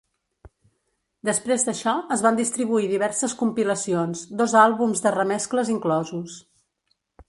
Després d'això, es van distribuir diverses compilacions, dos àlbums de remescles inclosos.